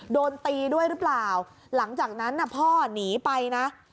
โดนตีด้วยหรือเปล่าหลังจากนั้นน่ะพ่อหนีไปนะ